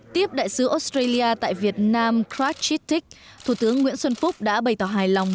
tiếp đại sứ australia tại việt nam kratchik thủ tướng nguyễn xuân phúc đã bày tỏ hài lòng